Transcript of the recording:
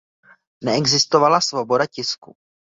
Neexistovala svoboda tisku.